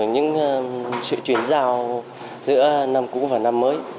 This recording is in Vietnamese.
những sự chuyển giao giữa năm cũ và năm mới